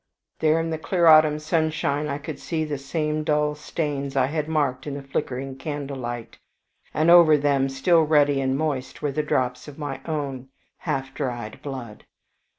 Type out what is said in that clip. There in the clear autumn sunshine I could see the same dull stains I had marked in the flickering candle light, and over them, still ruddy and moist, were the drops of my own half dried blood.